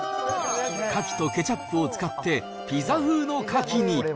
カキとケチャップを使って、ピザ風のカキに。